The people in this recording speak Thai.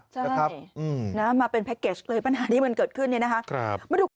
ใช่นะมาเป็นแพ็คเกจเลยปัญหานี้มันเกิดขึ้นเนี่ยนะคะ